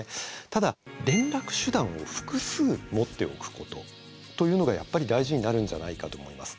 ただ連絡手段を複数持っておくことというのがやっぱり大事になるんじゃないかと思います。